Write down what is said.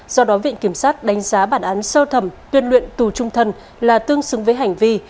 do đó viện kiểm sát đánh giá bản án sơ thẩm tuyên luyện tù trung thân là tương xứng với hành vi